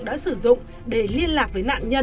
đã sử dụng để liên lạc với nạn nhân